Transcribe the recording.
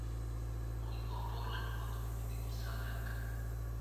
Ohiko oporlekua du mendigoizaleak.